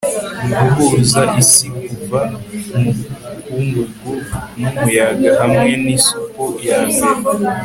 guhuza isi kuva mukungugu n'umuyaga hamwe nisupu yambere